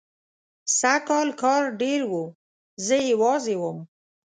سږکال کار ډېر و، زه یوازې وم.